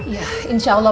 ya insya allah